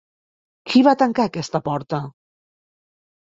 Qui va tancar aquesta porta?